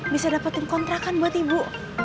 bisa dapetin kontrakan buat ibu